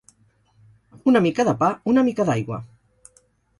Una mica de pa, una mica d'aigua.